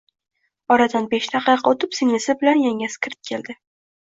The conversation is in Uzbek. Oradan besh daqiqa oʻtib, singlisi bilan yangasi kirib keldi